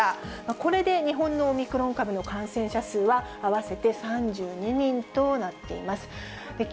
これで日本のオミクロン株の感染者数は、合わせて３２人となっています。